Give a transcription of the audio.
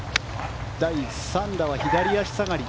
第３打は左足下がり。